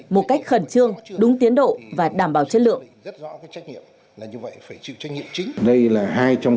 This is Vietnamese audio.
một cách khẩn trương đúng tiến độ và đảm bảo chất lượng